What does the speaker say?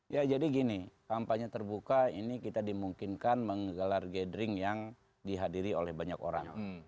ya jadi gini kampanye terbuka ini kita dimungkinkan menggelar gathering yang dihadiri oleh banyak orang